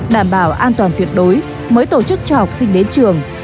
đảm bảo an toàn tuyệt đối mới tổ chức cho học sinh đến trường